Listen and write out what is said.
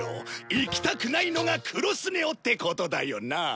行きたくないのが黒スネ夫ってことだよな？